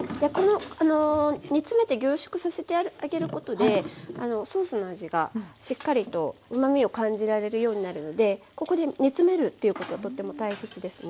煮詰めて凝縮させてあげることでソースの味がしっかりとうまみを感じられるようになるのでここで煮詰めるっていうこととっても大切ですね。